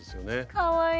かわいい！